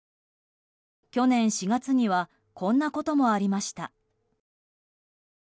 去年４月にはこんなこともありました。